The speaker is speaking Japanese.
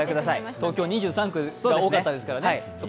東京２３区が多かったですからね。